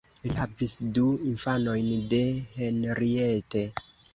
Li havis du infanojn de Henriette.